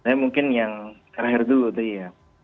saya mungkin yang terakhir dulu tadi ya